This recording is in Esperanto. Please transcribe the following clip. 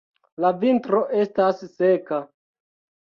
La vintro estas seka.